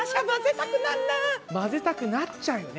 まぜたくなっちゃうよね。